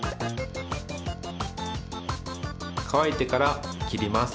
かわいてからきります。